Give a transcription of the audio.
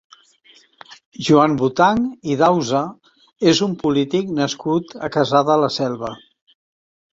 Joan Botanch i Dausa és un polític nascut a Cassà de la Selva.